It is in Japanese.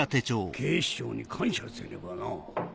警視庁に感謝せねばな。